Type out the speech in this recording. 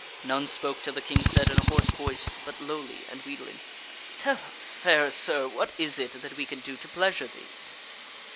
None spoke till the King said in a hoarse voice, but lowly and wheedling: "Tell us, fair Sir, what is it that we can do to pleasure thee?"